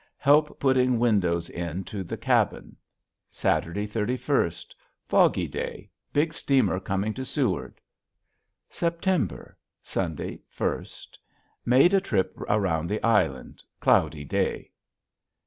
Help putting Windoes i to the Cabbin. Sat. 31st. Foggy day. Big steamer going to seward. September Sun. 1st. Mead a trip around the island. Cloudy Day.